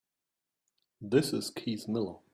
This is Keith Miller.